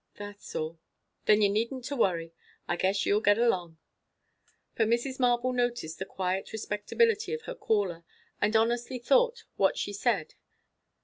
"That is all." "Then you needn't to worry. I guess you'll get along." For Mrs. Marble noticed the quiet respectability of her caller, and honestly thought what she said.